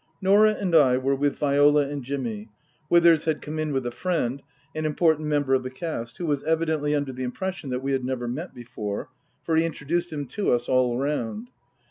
Norah and I were with Viola and Jimmy. Withers had come in with a friend, an important member of the cast, who was evidently under the impression that we had never met before, for he introduced him to us all round.